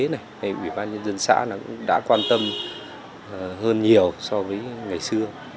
bởi vì ban nhân dân xã đã quan tâm hơn nhiều so với ngày xưa